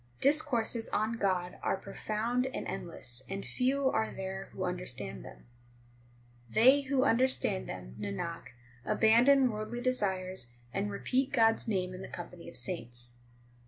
F f 2 436 THE SIKH RELIGION 10 Discourses on God are profound and endless, and few are there who understand them. They who understand them, Nanak, abandon worldly desires, and repeat God s name in the company of saints.